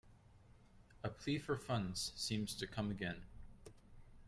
A plea for funds seems to come again.